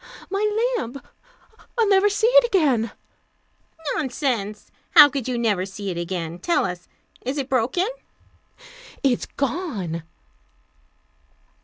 "My lamp! I'll never see it again!" "Nonsense. How could you never see it again? Tell us. Is it broken?" "It's gone!"